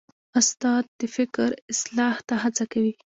استاد د فکر اصلاح ته هڅه کوي.